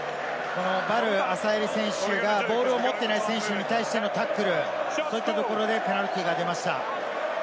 ヴァル・アサエリ選手がボールを持っていない選手に対してタックルをしたところで、ペナルティーが出ました。